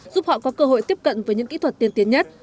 giúp họ có cơ hội tiếp cận với những kỹ thuật tiên tiến nhất